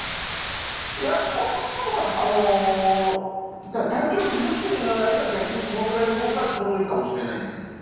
いや、そんなことはない、体調崩してるのであれば、逆にこのぐらいのほうがちょうどいいかもしれないです。